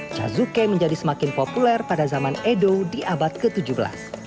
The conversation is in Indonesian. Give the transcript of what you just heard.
cazuke menjadi semakin populer pada zaman edo di abad ke tujuh belas